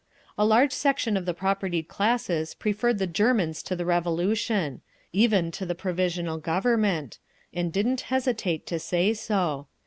A large section of the propertied classes preferred the Germans to the Revolution—even to the Provisional Government—and didn't hesitate to say so.